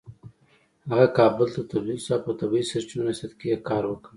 هغه کابل ته تبدیل شو او په طبیعي سرچینو ریاست کې يې کار وکړ